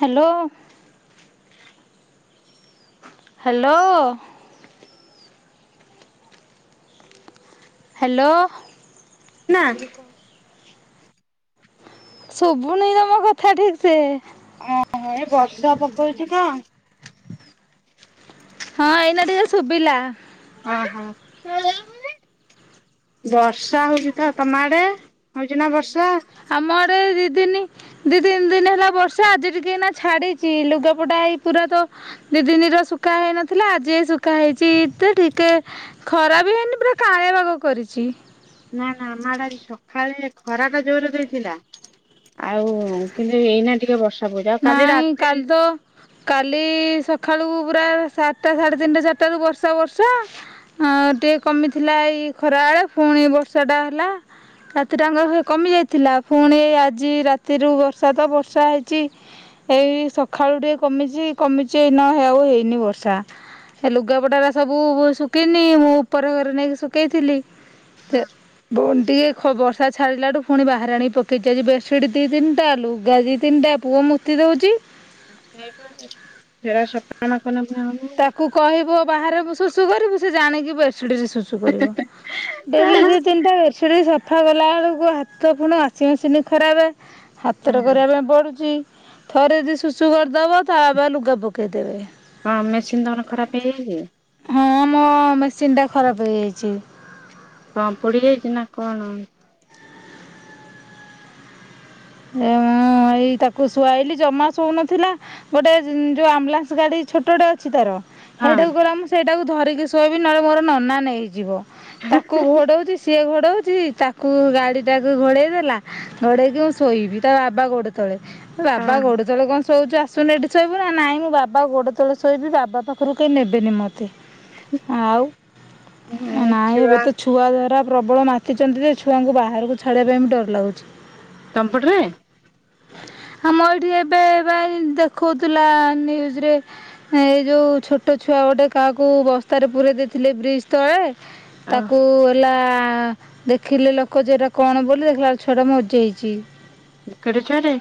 Hello. Hello. Hello. ନା। ସୁବୁନି ତମ କଥା ଠିକ ସେ। ଓହୋ ଏଇ ବର୍ଷା ପକଉଛି ତ। ହଁ ଏଇନା ଟିକେ ଶୁଭିଲା। ଆଁ ହୋ। ବର୍ଷା ହଉଛି ତ ତମ ଆଡେ ହଉଛି ନା ବର୍ଷା? ଆମ ଆଡେ ଦି ଦିନି ଦି ତିନି ଦିନ ହେଲା ବର୍ଷା ଆଜି ଟିକେ ନା ଛାଡିଛି ଲୁଗାପଟା ହେଇ ପୁରା ତ ଦିଦିନି ର ଶୁଖା ହେଇନଥିଲା ଆଜି ଶୁଖା ହେଇଛି ତି ଟିକେ। ଖରା ବି ହେଇନି ପୁରା କାଆଁଳିଆ ପାଗ କରିଛି। ନା ନା ଆମ ଆଡେ ଆଜି ସକାଳେ ଖରା ଟା ଜୋର ରେ ଦେଇଥିଲା। ଆଉ କିନ୍ତୁ ଏଇନେ ଟିକେ ବର୍ଷ ନାଇଁ କାଲି ତ କାଲି ସକାଳୁ ପୁରା ସାତଟା ସାଢ଼େ ତିନିଟା ଚାରିଟାରୁ ବର୍ଷା ବର୍ଷା। ହଁ ଟିକେ କମିଥିଲା ଏଇ ଖରାବେଳେ ପୁଣି ବର୍ଷାଟା ହେଲା। ରାତିଟା ଆଙ୍କ ହେ କମିଯାଇଥିଲା ପୁଣି ଆଜି ରାତିରୁ ବର୍ଷା ତ ବର୍ଷା ହେଇଛି। ସେଇ ସଖାଳୁ ଟିକେ କମିଛି, କମିଛି ଏଇ ନା ହେଉ ହେଇନି ବର୍ଷା। ଏ ଲୁଗାପଟା ରା ସବୁ ଶୁଖିନି ମୁଁ ଉପର ଘରେ ନେଇକି ଶୁଖେଇଥିଲି। ପୁଣି ଟିକେ ଖ ବର୍ଷା ଛାଡିଲା ଠୁ ପୁଣି ବାହାରେ ଆଣିକି ପକେଇଛିି ଆଜି ବେଡସିଡ ଦି ତିନିଟା ଲୁଗା ଦି ତିନିଟା। ପୁଅ ମୁତି ଦଉଚି। ହେରା ସଫା ନ କଲେ ପୁଣି ହବ ତାକୁ କହିବ ବାହାରେ ମୁଁ ଶୁଶୁ କରିବୁ ସେ ଜାଣିକି ବେଡ଼ସିଟ ରେ ଶୁଶ ଶୁ କରିବ ଡେଲି ହୁଁ ଦି ତିନିଟା ସେଟି ସଫା କଲବେଳୁକୁ ହାତ ପୁଣା ୱାସିଂ ମେସିନ୍ ଖରାପେ। ହାତରେ କରିବା ପାଇଁ ପଡୁଛି। ଥରେ ଯେ ଶୁଶୁ କରିଦବ ତାପ ଲୁଗା ପକେଇଦେବେ। ହଁ ମେସିନ୍ ତମର ଖରାପ ହେଇଯାଇଛି। ହଁ ମୋ ମେସିନ ଟା ଖରାପ ହେଇଯାଇଚି। କଣ ପୋଡିଯାଇଛି ନା କଣ? ଏଁ ଅ ଏଇ ତାକୁ ଶୁଆଇଲି ଜମା ଶୋଉନଥିଲା। ଗୋଟେ ଯୋଉ ଆମ୍ବୁଲାନ୍ସ ଗାଡ଼ି ଛୋଟଟେ ଅଛି ତାର। ହଁ ସେଇଟାକୁ ଗଲା ମୁଁ ସେଇଟାକୁ ଧରିକି ଶୋଇବି ନହେଲେ ମୋର ନନା ନେଇଯିବ ତାକୁ ଘୋଡ଼ଉଚି। ସିଏ ଘୋଡଉଛି ତାକୁ ଗାଡ଼ି ଟାକୁ ଘୋଡେଇ ଦେଲା ଘୋଡେଇକି ମୁଁ ଶୋଇବି ତା ବାବା ଗୋଡ ତଳେ ବାବା ଗୋଡ଼ ତଳେ କଣ ଶୋ ଶୋଇଚୁ ଆସୁନୁ ଏଇଠି ଶୋଇବୁ ନାଁ ନାଇଁ ମୁଁ ବାବା ଗୋଡ଼ ତଳେ ଶୋଇବି ବାବା ପାଖରୁ କହି ନେବେନି ମ ଏ ନାଇଁ ଏବେ ଛୁଆ ତ ଛୁଆ ଧରା ପ୍ରବଳ ମାତିଛନ୍ତି ଯେ ଛୁଆଙ୍କୁ ବାହାରକୁ ଛାଡ଼ିବା ପାଇଁ ବି ଡର ଲାଗୁଛି। ତମ ପଟ ରେ? ଆମ ଏଇଠି ଏବେ ବା ଏଇ ଦେଖଉଥିଲା ନ୍ୟୁଜରେ ଏଇ ଯଉ ଛୋଟ ଛୁଆ ଗୋଟେ କାହାକୁ ବସ୍ତାରେ ପୂରେଇ ଦେଇଥିଲେ ବ୍ରିଜ୍ ତଳେ ଅ ତାକୁ ହେଲା ଦେଖିଲେ ଲୋକ ଯେଏଟା କଣ ବୋଲି ଦେଖିଲା ବେଳକୁ ଛୁଆଟା ମରି ଯାଇଚି। କେଡ଼େ ଛୁଆଟେ?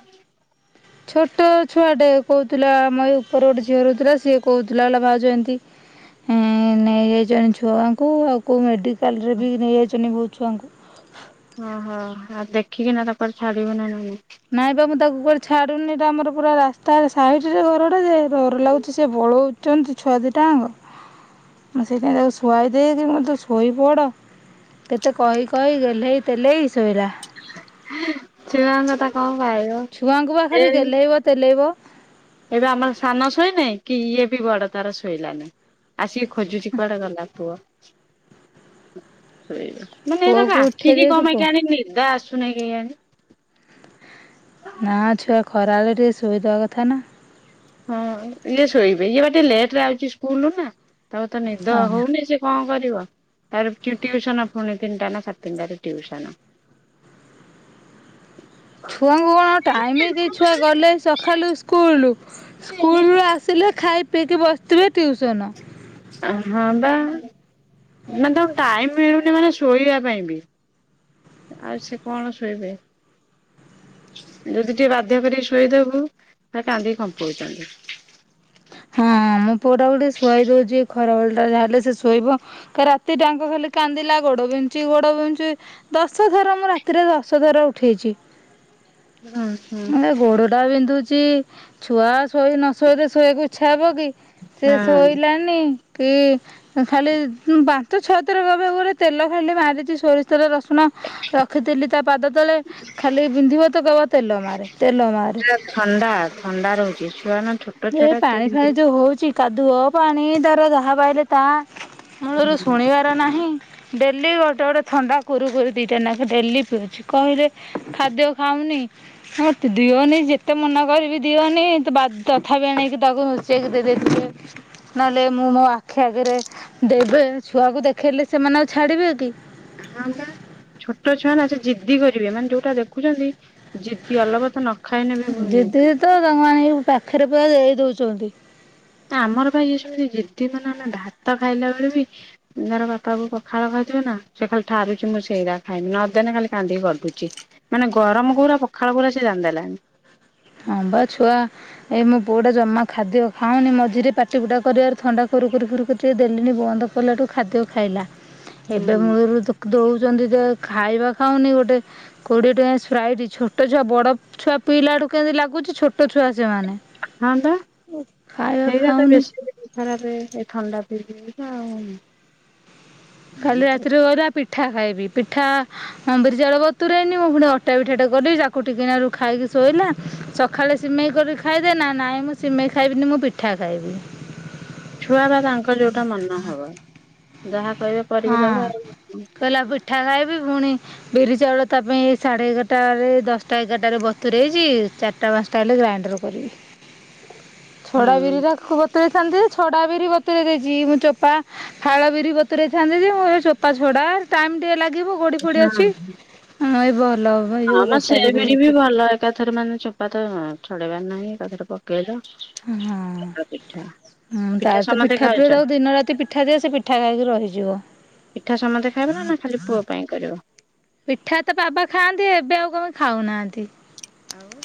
ଛୋଟ ଛୁଆଟେ କହୁଥିଲା ଆମ ଏଇ ଉପର ଗୋଟେ ଝିଅ ରହୁଥିଲା ସିଏ କହୁଥିଲା କହିଲା ଭାଉଜ ଏମତି ହୁଁ ନେଇଯାଇଛନ୍ତି ଛୁଆଙ୍କୁ ଆଉ କୋଉ ମେଡିକାଲ ରୁ ବି ନେଇଯାଇଛନ୍ତି ବହୁତ ଛୁଆଙ୍କୁ। ଓହୋ ଆଉ ଦେଖିକି ନା ତାକୁ କୁଆଡେ଼ ଛାଡ଼ିବନି। ନାଇଁ ବା ମୁଁ ତାକୁ କୁଆଡ଼େ ଛାଡୁନି ଏଟା ଆମର ପୁରା ରାସ୍ତାରେ ସାଇଟ୍ ରେ ଘରଟା ଯେ ଡର ଲାଗୁଛି ସେ ପଳଉ ଛନ୍ତି ଛୁଆ ଦି ଟାଙ୍କ ସେଇଥିପାଇଁ ତାକୁ ଶୁଆଇ ଦେଇକି ମୁ ତୁ ଶୋଇପଡ଼। କେତେ କହି କହି ଗେହ୍ଲେଇ ତେଲେଇ ଶୋଇଲା। ଛୁଆ ଙ୍କ କଥା କଣ କହିବ? ଛୁଆଙ୍କୁ ପା ଖାଲି ଗେହ୍ଲେଇବ ତେଲେଇବ। ଏଟା ଆମର ସାନ ଶୋଇନି କି ଇଏ ବି ବଡ଼ ତାର ଶୋଇଲାନି ଆସିକି ଖୋଜୁଛି କୁଆଡେ଼ ଗଲା ପୁଅ ସେଇବା ମାନେ ପୁଅକୁ ଏମାନଙ୍କ ଉଠେଇ ଆଖିକି ଦେଇକି କଣ ପାଇଁ ପୁଅ କେଆଣି ନିଦ ଆସୁନି କେଆଣି? ନା ଛୁଆ ଖରା ବେଳେ ଟିକେ ସୋଇବା କଥା ନା। ହଁ ଇଏ ଶୋଇବେ ଇଏ ବା ଲେଟ୍ ରେ ଆଉଛି ସ୍କୁଲରୁ ନା ତ ନିଦ ଓହୋ ହଉନି ସେ କଣ କରିବ ତାର ଟିଉସନ ପୁଣି ତିନିଟା ନା ସାଢେ଼ ତିନଟାରେ ଟ୍ୟୁସନ। ଛୁଆଙ୍କୁ କଣ ଟାଇମ କି ଛୁଆ ଗଲେ ସଖାଲୁ ସ୍କୁ ସ୍କୁଲୁ ସ୍କୁଲରୁୁ ଆସିଲେ ଖାଇ ପିଇକି ବସିଥିବେ ଟିଉସନ। ହଁ ବା ମାନେ ତାକୁ ଟାଇମ ମିଳୁନି ମାନେ ଶୋଇବା ପାଇଁ ବି। ଆଉ ସେ କଣ ଶୋଇବେ। ଯଦି ଟିକେ ବାଧ୍ୟ କରିକି ଶୁଏଇଦବୁ ତା କାନ୍ଦିକି ଖମ୍ପଉଛନ୍ତି। ହଁ ମୁଁ ପୁଅଟା କୁ ଟିକେ ଶୁଆଇ ଦଉଛି ଖରାବେଳ ଟାରେ ଯାହେଲେ ସେ ଶୋଇବ। କାଲି ରାତି ଟା ଙ୍କ ଖାଲି କାନ୍ଦିଲା ଗୋଡ଼ ବିନ୍ଧୁଛି ଗୋଡ଼ ବିନ୍ଧୁଛି। ଦଶଥର ମୁଁ ରାତିରେ ଦଶ ଥର ଉଠେଇଛି। ହୁଁ ହୁଁ ନା ଗୋଡ଼ ଟା ବିନ୍ଧୁଛି ଛୁଆ ଶୋଇ ନ ଶୋଇଲେ ଶୋଇବାକୁ ଇ ଛା ହବ କି ସେ ହଁ ଶୋଇଲାନି କି ଖାଲି ପାଞ୍ଚ ଛଅ ଥର ଗବେ ଗୋଟେ ତେଲ ଖାଲି ମାରିଛି ସୋରିଷ ତେଲ ରସୁଣ ରଖିଥିଲି ତା ପାଦ ତଳେ ଖାଲି ବିନ୍ଧିବ ତ କହିବ ତେଲ ମାରେ ତେଲ ମାରେ ପୁରା ଥଣ୍ଡା ଥଣ୍ଡା ରହୁଛି ଛୁଆ ନା ଛୋ ଏ ପାଣି ଫାଣି ଯୋଉ ହଉଚି କାଦୁଅ ପାଣି ତାର ଯାହା ପାଇଲେ ତା ମୂଳରୁ ହୁଁ ଶୁଣିବାର ନାହିଁ। ଡେଲି ଗୋଟେ ଗୋଟେ ଥଣ୍ଡା କୁରୁ କୁରି ଦିଟା ନାକ ଡେଲି ପିଉଛି କହିଲେ ଖାଦ୍ୟ ଖାଉନି ହଁ ତ ଦିଅନି ଯେତେ ମନା କରିବି ଦିଅନି ତୁ ବା ତଥାପି ଆଣକି ତାକୁ ନୁଚେଇକି ଦେଇେଥିବେ ନହେଲେ ମୁଁ ମୋ ଆଖି ଆଗରେ ଦେବେ ଛୁଆକୁ ଦେଖେଇଲେ ସେମାନେ ଆଉ ଛାଡିବେ କି? ହଁ ବା। ଛୋଟ ଛୁଆ ନା ସେ ଜିଦ୍ଦି କରିବେ ମାନେ ଯୋଉଟା ଦେଖୁଛନ୍ତି ଜିଦ୍ଦି ଅଲବତ ନ ଖାଇଲେ ବି ହଉନି। ଦିଦି ତ ତାଙ୍କୁ ଆଣିକି ପୁରା ପାଖରେ ଦେଇ ଦେଉଛନ୍ତି ଆମର ବା ଏ ସେମିତି ଜିଦି ମାନେ ଆମେ ଭାତ ଖାଇଲା ବେଳେ ବି ତାର ବାପା କୁ ପଖାଳ କହିଥିବ ନା ସେ ଖାଲି ଠାରୁଛି ମୁଁ ସେଇଟା ଖାଇବି ନଦଲେ ଖାଲି କାନ୍ଦିକି ଗଡୁଚି। ମାନେ ଗରମ କୋଉରା ପଖାଳ କୋଉରା ସେ ଜଣିଦେଲାଣି। ହଁ ବା ଛୁଆ ଏଇ ମୋ ପୁଅ ଟା ଜମା ଖାଦ୍ୟ ଖାଉନି ମଝିରେ ପାଟି ଫୁଟା କରିବାର ଥଣ୍ଡାୁ କୁରୁ କୁରି, ଫୁରୁ କୁରି ଦେଲିଣି ବନ୍ଦ ପଲାଠୁ ଖାଦ୍ୟ ଖାଇଲା ଏବେ ହୁଁ ମୂଳରୁ ତ ଦଉଛନ୍ତି ଯେ ଖାଇବା ଖାଉନି ଗୋଟେ କୋଡିଏ ଟଙ୍କା ସ୍ପ୍ରଇଟ ଛୋଟ ଛୁଆ ବଡ ଛୁଆ ପିଇଲାଠୁ କେମିତି ଲାଗୁଛି ଛୋଟ ଛୁଆ ସେମାନେ ହଁ ବା। ଓ ଖାଇବା ଖାାଉନି ଖରାରେ ଏ ଥଣ୍ଡା ବି ଆଉ କାଲି ରାତିରେ କହିଲା ପିଠା ଖାଇବି, ପିଠା ଅ ବିରି ଚାଉଳ ବତୁରେଇନି ମୁଁ ପୁଣି ଅଟା ବିିଠାଟେ କଲି ତାକୁ ଟିକେ ନଗରୁ ଖାଇକି ଶୋଇଲା ସକାଳେ ସିମେଇ କରି ଖାଇଦେ, ନା ନାଇଁ ମୁଁ ସିମେଇ ଖାଇବିନି ମୁଁ ପିଠା ଖାଇବି ଛୁଆ ବା ତାଙ୍କ ଯୋଉଟା ମନ ହବ ଯାହା କହିବ ହଁ କହିଲା ପିଠା ଖାଇବି ପୁଣି ବିରି ଚାଉଳ ତା ପାଇଁ ସାଢେ ଏଗାରଟାରେ ଦଶଟା ଏଗାରଟାରେ ବତୁରରେ ଇଛି ଚାରି ଚାରିଟା ପାଞ୍ଚ ଟା ହେଲେ ଗ୍ରାଇଣ୍ଡର କରିବି ଛଡା ହଁ। ବିରି ରାକୁ ବତୁ ରେଇ ଥାନ୍ତି ଯେ, ଛଡା ବିରି ବତୁରେଇ ଦେଇଛି ମୁଁ ଚୋପା ଫାଳ ବିରି ବତ ବତୁରେଇଥାନ୍ତି ଯେ ମୋ ଏ ଚୋପା ଛଡ଼ା ଟାଇମ ଟିକେ ଲାଗିବ ଗଡ଼ି ଫୋଡ଼ି ହୁଁ। ଅଛି ହ ଏଇ ଭଲ ଏଇ ଯେଉଁ ହଁ ମ ଗୋଟା ସେ ବିରି ବି ବତୁରେଇଛି ଭଲ ଏକାଥରେ ମାନେ ଚୋପା ତ ଛଡେଇବାର ନାହିଁ ଏକାଥରେ ପକେଇବ ହଁଁ ତାର ତ ସମସ୍ତେ ପିଠା ଖାଉଛ ପ୍ରିୟ ତା ଦିନ ରାତି ପିଠା ଦିଅ ସେ ପିଠା ଖାଇକି ରହିଯିବ ପିଠା ସମସ୍ତେ ଖାଇବ ନା ନା ଖାଲି ପୁଅ ପାଇଁ କରିବ? ପିଠା ତ ବାବା ଖାଆନ୍ତି ଏବେ ଆଉ କଣ ଖାଉନାହାଁନ୍ତି। ଆଉ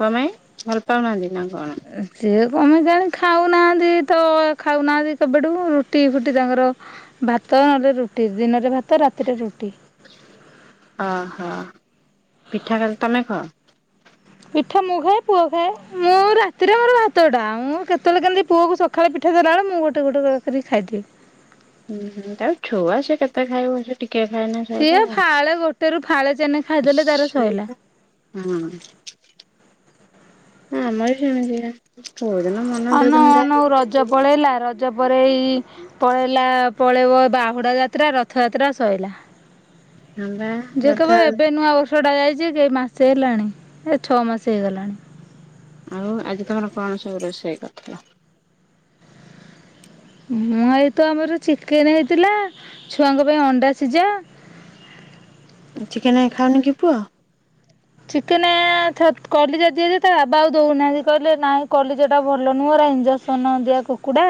କଣ ପାଇଁ ଭଲ ପାଉନାହାନ୍ତି ନା କଣ? ସିଏ କଣ ପାଇଁ କେଜାଣି ଖାଉନାହାନ୍ତି ତ ଖାଉନାହାନ୍ତି କେବେଠୁ ରୁଟି ଫୁଟି ତାଙ୍କର ଭାତ ନହେଲେ ରୁଟି ଦିନରେ ଭାତ ରାତିରେ ରୁଟି। ଓହୋ ପିଠା ଖାଲି ତମେ ଖାଓ? ପିଠା ମୁଁ ଖାଏ ପୁଅ ଖାଏ ମୁଁ ରାତିରେ ମୋର ଭାତ ଟା ମୁଁ କେତେବେଳେ କେମିତି ପୁଅ କୁ ସକ୍ ଖାଳେ ପିଠା ଦେଲାବେଳେ ମୁଁ ଗୋଟେ ଗୋଟ କରିକ ଖାଇଦିଏ। ହୁଁ ହୁ ତାଉ ଛୁଆ ସି କେତେ ଖାଇବ ସେ ଟିକେ ଖାଇନେ ସଇଲା ସିଏ ଆଉ। ଫାଳେ ଗୋଟେ ରୁ ଫାଳେ ଚେନେ ଖାଇଦେଲେ ତାର ଶୋଇଲା। ହୁଁ, ଆମର ସେମିତି ନୁହେ କୋଉ ଦିନ ମନ ଯୋଉ ଅନଉ ଦିନ ଯାହା ଅନଉ ରଜ ପଳେଇଲା, ର ଜପରେ ଏଇ ପଳେଇଲା ପଳେଇବ ବାହୁଡ଼ା ଯାତ୍ରା ରଥଯାତ୍ରା ସୋଇଲା। ହଁ ବା ଯିଏ କହିବ ଯଥା ଏବେ ନୂଆ ବ ର୍ଷ ଟା ଯାଇଛି ଯେ ମାସେ ହେଲାଣି ଏ ଛଅ ମାସେ ହେଇଗଲାଣି। ଆଉ ଆଜି ତମର କଣ ସବୁ ରୋଷେଇ କରିଥିଲ? ମୁଁ ଏଇତ ଆମର ଚିକେନ୍ ହେଇଥିଲା, ଛୁଆଙ୍କ ପାଇଁ ଅଣ୍ଡା ସିଜା। ଚିକେନେ ଖାଉନି କି ପୁଅ। ଚିକେନେ-ଏ-ଏ ଥେ କଲିଜା ଦିଏ ଯେ ତା ବାବା ଆଉ ଦଉନାହାନ୍ତି କହିଲେ ନାଇଁ କଲିଜାଟା ଭଲ ନୁହଁ ହେରା ଇଞ୍ଜ ଜେନ୍ସନ ଦିଆ କୁକୁଡ଼ା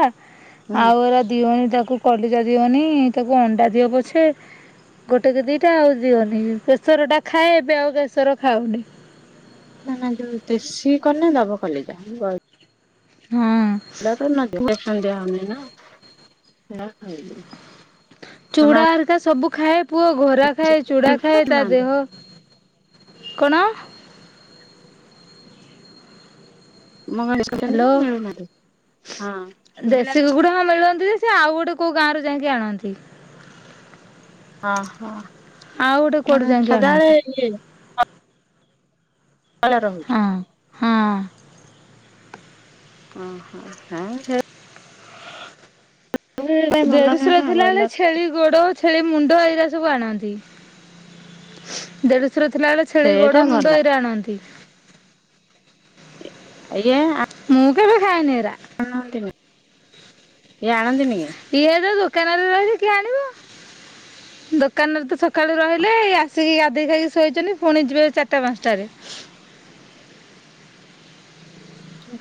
ହୁଁ। ଆଉ ଏଗୁରା ଦିଅନା ତାକୁ। କଲିଜା ଦିଅନି ତାକୁ ଅଣ୍ଡା ଦିଅ ପଛେ। ଗୋଟେ କି ଦିଟା ଆଉ ଦିଅନି। କେଶର ଟା ଖାଏ ଏବେ ଆଉ କେଶର ଖାଉନି। ନା ନା ଯୋଉ ଦେଶୀ କନେ ଦବ କଲେଜ ଦ ହଁ, ତାପରେ ନ ଦିଅ [inaudible] ଚୁଡ଼ାହେରିକା ସବୁ ଖାଏ ପୁଅ ଘୋରା ଖାଏ ଚୁଡା ମିଳୁଛି ନା ଖାଏ ତା ମିଳୁନାହାନ୍ତି ଦେହ କଣ? [unintelligible] ହାଲୋ, ମିଳୁନାହାନ୍ତି ହଁ। ଶୁଭିଲା ଦେଶୀ ନା ମୋ କୁକୁଡ଼ା ହଁ ମିଳନ୍ତି ଯେ ଯେ ଆଉ ଗୋଟେ କୋଉ ଗାଁରୁ ଯାଇକି ଆଣନ୍ତି। ହଁ ହ ଆଉ ଗୋଟେ କୁଆଡୁ ମାନେ ଯାଇକି ଆଣନ୍ତି ସଦାବେଳେ ମିଳେନି। ଭଲ ରହୁ। ହଁ ହଁ। ଉ ହୁଁ ନାହିଁ ସେ ପାଇଁ ଭଲ ନୁହେଁ ଦେଢଶୁର ନା ଥିଲାବେଳେ ବ୍ରଏଲର ଟା ଛେଳି ଗୋଡ ଛେଳି ମୁଣ୍ଡ ଏଇରା ସବୁ ଆଣନ୍ତି। ଦେଢଶୁର ଥିଲାବେଳେ ଛେଳି ସେଇଟା ଗୋଡ, ଭଲ ମୁଣ୍ଡ ଏଇରା ଆଣନ୍ତି। ଏଇୟା ଆ ମୁଁ କେବେ ଖାଏନି ଏରା। ଆଣନ୍ତିନି, ଇଏ ଆଣନ୍ତିନି କି? ସିଏ ଏବେ ଦୋକାନରେ ରହିବେ କିଏ ଆଣିବ। ଦୋକାନରେ ତ ସକାଳୁ ରହିଲେ। ଏ ଆସିକି ଗାଧୋଇ ଖାଇକି ଶୋଇଛନ୍ତି ପୁଣି ଯିବେ ଚାରିଟା ପାଞ୍ଚଟାରେ।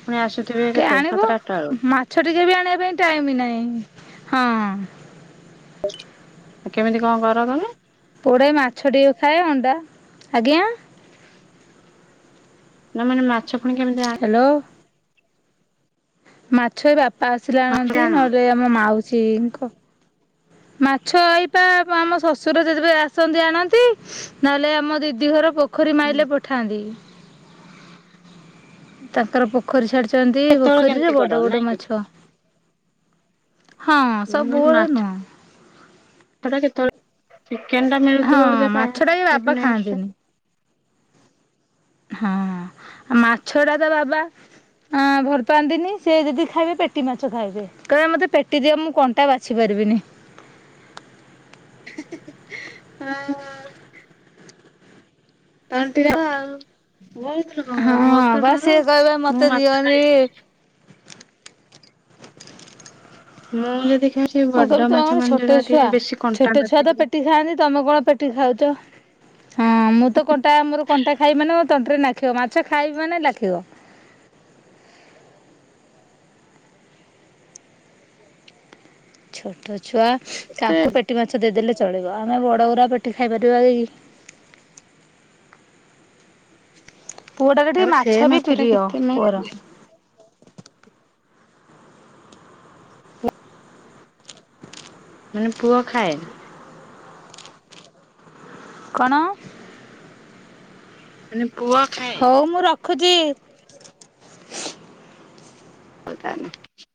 ପୁଣି ଆସୁଥିବେ କିଏ କେତେ ଆଣିବ ସାତଟା ଆଠା ବେଳକୁ? ମାଛ ଟିକେ ଆଣିବା ପାଇଁ ଟାଇମ୍ ନାହିଁ ହଁ। କେମିତି କଣ କର ତମେ? ପୋଡେ ମାଛ ଟିକେ ଖାଏ ଅଣ୍ଡା, ଆଜ୍ଞା ନା ମାନେ ମାଛପୁଣି କେମିତି ଆ ହାଲୋ, ମାଛ ଏ ବାପା ଆସିଲେ ହଁ ଆଣନ୍ତି। ଆଣ ହୁଁ। ନହେଲେ ଆମ ମାଉସୀଙ୍କ ମାଛ ଏଇପା ଆମ ଶଶୁର ଯେ ଯେବେ ଆସନ୍ତି ଆଣନ୍ତି। ନହେଲେ ଆମ ଦିଦି ଘର ପୋ ଖରୀ ମାଇଲେ ପଠାନ୍ତି। ତାଙ୍କର ପୋ ପୋଖରୀ ଛାଡିଛନ୍ତି, କେତେବେଳେ କେମିତି ପୋଖରୀରେ କର ବଡ଼ ବଡ଼ ନାଇଁ କି? ମାଛ। ହଁ ମୁଁ କହିଲି ସବୁବେଳେ ନୁହଁ। ମାଛ ଟା କେତେବେଳେ, ଚିକେନ ଟା ହଁ ମିଳୁଥିବ [inaudible] ମାଛଟା ବି ବାବା ଖାଆନ୍ତିନି ହଁ ଆ ମାଛଟା ତ ବାବା ହଁ ଭଲ ପାଆନ୍ତିନି ସିଏ ଯଦି ଖାଇବେ ପେଟି ମାଛ ଖାଇବେ। କହିବେ ମତେ ପେଟି ଦିଅ। ମୁଁ କଣ୍ଟା ବାଛି ପାରିବିନି। ହି ହି ହି ହଁ। ତଣ୍ଟି ଟା ବା ବହୁତ ଲୋକଙ୍କର ହଁ ମୋର ତ ବା ଡର। ସିଏ କହିବେ ମୋତେ ମୁଁ ମାଛ ଦିଅନି ଖାଇବିନି। ମୁଁ ଯଦି ଖାଉବି ସେ ମୁଁ କହିବି ବଡ ତମେ କଣ ମାଛ ଛୋଟ ମାନେ ଟିକେ ଛୁଆ ବେଶୀ ଛୋଟ କଣ୍ଟା ଛୁଆ ତ ନଥିବ। ପେଟି ଖାଏନି ତମେ କଣ ପେଟି ଖାଉଛ। ହଁ ମୁଁ ତ କଣ୍ଟା ମୋର କଣ୍ଟା ଖାଇବି ମାନେ ତଣ୍ଟିରେ ନାଖିବ ମାଛ ଖାଇବି ମାନେ ଲାଖିବ। ଛୋଟ ଛୁଆ ଏତେ ତାଙ୍କୁ ପେଟି ମାଛ ଦେଇଦେଲେ ଚଳିବ। ଆମେ ବଡ଼ଗୁରା ପେଟି ଖାଇପାରିବା କି? ପୁଅଟାର ଟିକେ ତାପରେ ସେ ମାଛ ବି ଟା ପ୍ରିୟ କେତେ ପୁଅର। ମାନେ ମାନେ ପୁଅ ଖାଏ। କଣ? ମାନେ ପୁଅ ଖାଏ। ହଉ ମୁଁ ରଖୁଛି। ହଉ ତାହେଲେ।